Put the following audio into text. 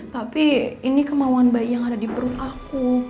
tapi ini kemauan bayi yang ada di perut aku